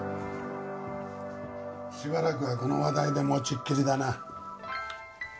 しばらくはこの話題で持ちっきりだな。